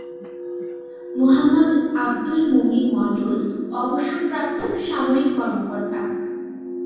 মোহাম্মদ আবদুল মোমিন মণ্ডল অবসরপ্রাপ্ত সামরিক কর্মকর্তা।